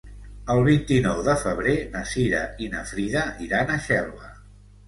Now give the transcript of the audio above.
El vint-i-nou de febrer na Cira i na Frida iran a Xelva.